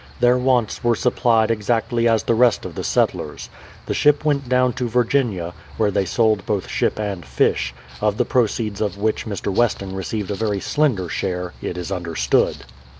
Their wants were supplied exactly as the rest of the settlers'. The ship went down to Virginia, where they sold both ship and fish, of the proceeds of which Mr. Weston received a very slender; share, it is understood.